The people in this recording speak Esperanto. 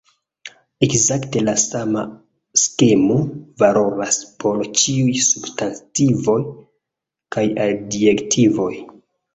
Ekzakte la sama skemo valoras por ĉiuj substantivoj kaj adjektivoj.